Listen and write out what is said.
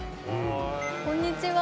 こんにちは。